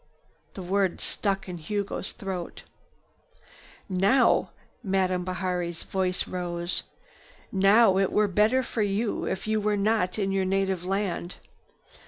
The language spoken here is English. The words stuck in Hugo's throat. "Now—" Madame's voice rose. "Now it were better for you if you were not in your native land.